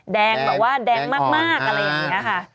แดงแบบว่าแดงมากอะไรอย่างนี้ค่ะ